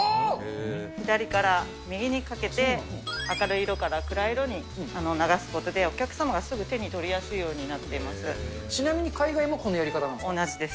左から右にかけて、明るい色から暗い色に流すことで、お客様がすぐ手に取りやすいようちなみに海外もそのやり方な同じです。